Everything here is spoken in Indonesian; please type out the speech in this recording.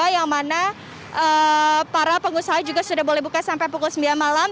yang mana para pengusaha juga sudah boleh buka sampai pukul sembilan malam